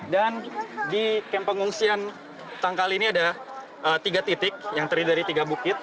dan di kamp pengungsian tangkali ini ada tiga titik yang terdiri dari tiga bukit